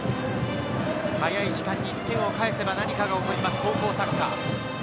早い時間に１点を返せば何かが起こります、高校サッカー。